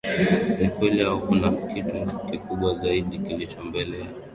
ni kweli Au kuna kitu kikubwa zaidi kilicho mbele ya